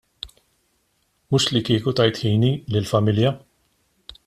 Mhux li kieku tajt ħini lill-familja.